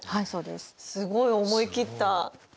すごい思い切った。